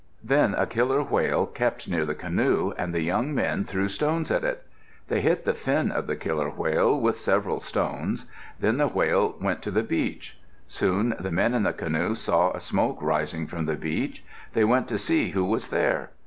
Then a killer whale kept near the canoe and the young men threw stones at it. They hit the fin of the killer whale with several stones. Then the whale went to the beach. Soon the men in the canoe saw a smoke rising from the beach. They went to see who was there.